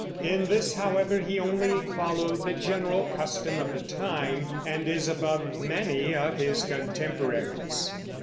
In this, however, he only followed the general custom of the time, and is above many of his contemporaries.